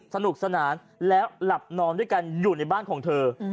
สนุกสนานแล้วหลับนอนด้วยกันอยู่ในบ้านของเธอ